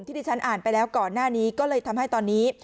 ที่ที่ฉันอ่านไปแล้วก่อนหน้านี้ก็เลยทำให้ตอนนี้